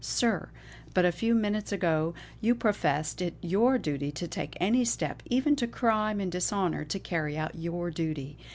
Sir, but a few minutes ago you professed it your duty to take any step, even to crime and dishonour, to carry out your duty.